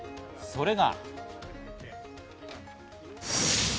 それが。